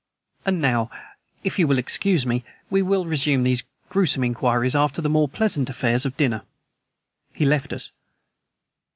"And now, if you will excuse me, we will resume these gruesome inquiries after the more pleasant affairs of dinner." He left us.